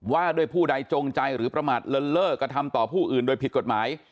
ว่าด้วยผู้ใดจงใจหรือประมาทเลินเลิกกระทำต่อผู้อื่นโดยผิดกฎหมาย